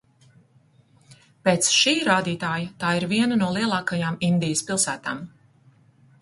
Pēc šī rādītāja tā ir viena no lielākajām Indijas pilsētām.